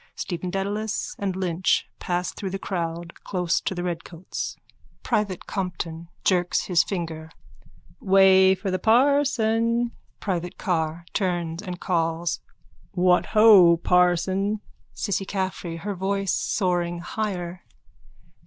Stephen Dedalus and Lynch pass through the crowd close to the redcoats.)_ PRIVATE COMPTON: (Jerks his finger.) Way for the parson. PRIVATE CARR: (Turns and calls.) What ho, parson! CISSY CAFFREY: _(Her voice soaring higher.)